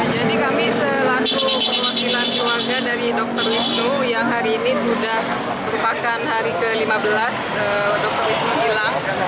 jadi kami selaku pemakilan keluarga dari dr wisnu yang hari ini sudah berpakan hari ke lima belas dr wisnu hilang